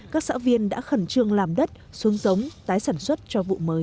các xã viên đã khẩn trương làm đất xuống giống tái sản xuất cho vụ mới